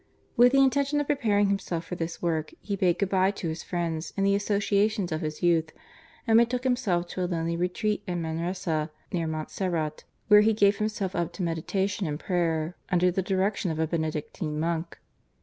With the intention of preparing himself for this work he bade good bye to his friends and the associations of his youth, and betook himself to a lonely retreat at Manresa near Montserrat, where he gave himself up to meditation and prayer under the direction of a Benedictine monk.